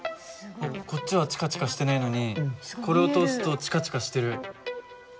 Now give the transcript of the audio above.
すごい。こっちはチカチカしてないのにこれを通すとチカチカしてる。